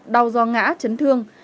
đau do ngã chấn thương